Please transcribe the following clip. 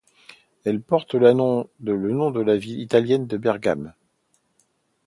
Elle porte le nom de la ville italienne de Bergame.